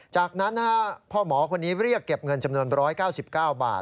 จากนั้นพ่อหมอคนนี้เรียกเก็บเงินจำนวน๑๙๙บาท